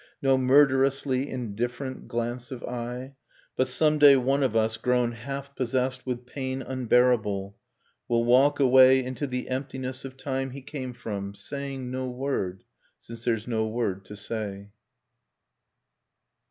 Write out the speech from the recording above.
No murderously indifferent glance of eye ... But some day one of us, grown half possessed With pain unbearable, will walk away Into the emptiness of time he came from, Saying no word, since there's no word to say.